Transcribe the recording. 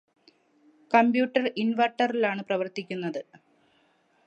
computer ഇൻവെർട്ടറിലാണ് പ്രവർത്തിക്കുന്നത്